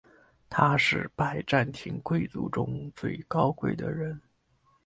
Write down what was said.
他是拜占庭贵族中最高贵的人。